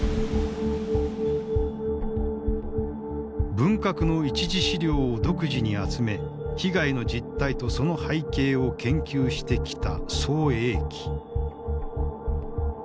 文革の一次資料を独自に集め被害の実態とその背景を研究してきた宋永毅。